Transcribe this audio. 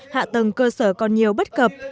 hạ tầng cơ sở còn nhiều bất cập